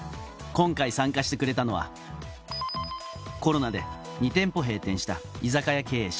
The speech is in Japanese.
今回参加してくれたのは、コロナで２店舗閉店した居酒屋経営者。